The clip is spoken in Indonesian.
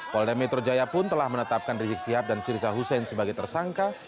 polda metro jaya pun telah menetapkan rizik sihab dan firza husein sebagai tersangka